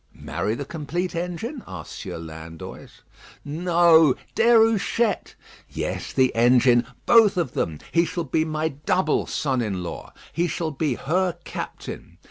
"Marry the complete engine?" asked Sieur Landoys. "No; Déruchette; yes; the engine. Both of them. He shall be my double son in law. He shall be her captain.